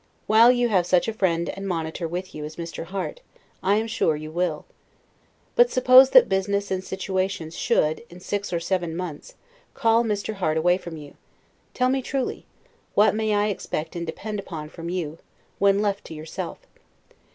While you have such a friend and monitor with you as Mr. Harte, I am sure you will. But suppose that business and situations should, in six or seen months, call Mr. Harte away from you; tell me truly, what may I expect and depend upon from you, when left to yourself?